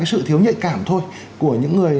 sự thiếu nhạy cảm thôi của những người